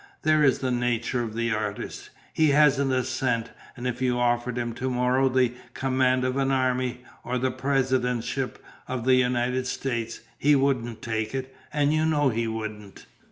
There is the nature of the artist. He hasn't a cent; and if you offered him to morrow the command of an army, or the presidentship of the United States, he wouldn't take it, and you know he wouldn't."